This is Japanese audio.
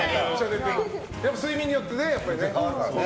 睡眠によって変わるからね。